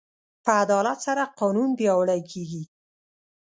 په عدالت سره قانون پیاوړی کېږي.